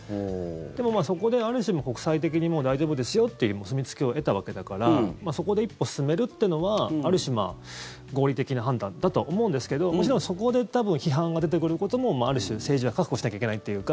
でもそこで、ある種国際的にもう大丈夫ですよってお墨付きを得たわけだからそこで一歩進めるっていうのはある種、合理的な判断だと思うんですけどもちろんそこで多分批判が出てくることもある種、政治は覚悟しなきゃいけないっていうか。